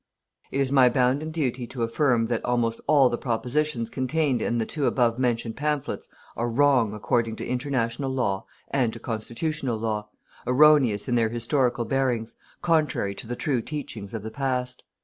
"It is my bounden duty to affirm that almost all the propositions contained in the two above mentioned pamphlets are wrong according to international law and to constitutional law, erroneous in their historical bearings, contrary to the true teachings of the past."